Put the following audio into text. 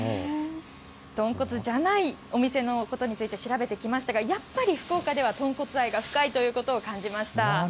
豚骨じゃないお店のことについて調べてきましたが、やっぱり福岡では、豚骨愛が深いということを感じました。